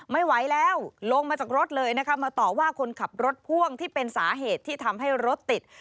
ไม่ไหวแล้วลงมาจากรถเลยนะคะมาต่อว่าคนขับรถพ่วงที่เป็นสาเหตุที่ทำให้รถติด